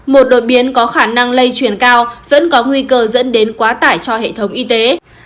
một đột biến có khả năng lây truyền cao vẫn có nguy cơ dẫn đến quá tải cho hệ thống y tế